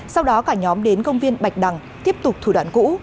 sau đó cả nhóm đến công viên bạch đằng tiếp tục thủ đoạn cũ